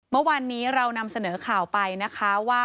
เมื่อวานนี้เรานำเสนอข่าวไปนะคะว่า